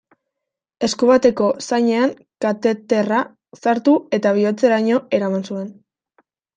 Esku bateko zainean kateterra sartu eta bihotzeraino eraman zuen.